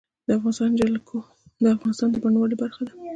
د افغانستان جلکو د افغانستان د بڼوالۍ برخه ده.